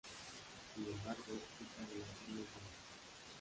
Sin embargo, dicha relación no es lineal.